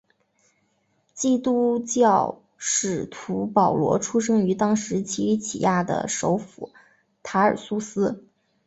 基督教使徒保罗出生于当时奇里乞亚的首府塔尔苏斯。